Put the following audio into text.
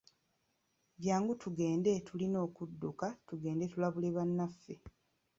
Jangu tugende, tulina okudduka tugende tulabule bannaffe.